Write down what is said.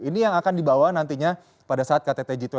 ini yang akan dibawa nantinya pada saat ktt g dua puluh